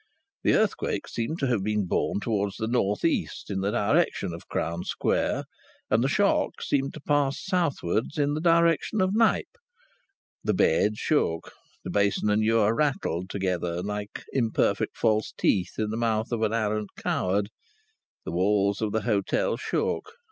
This earthquake seemed to have been born towards the north east, in the direction of Crown Square, and the shock seemed to pass southwards in the direction of Knype. The bed shook; the basin and ewer rattled together like imperfect false teeth in the mouth of an arrant coward; the walls of the hotel shook.